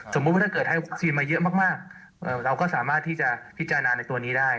ว่าถ้าเกิดให้วัคซีนมาเยอะมากเราก็สามารถที่จะพิจารณาในตัวนี้ได้